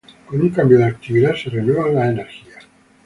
Con un cambio de actividad se renuevan las energias.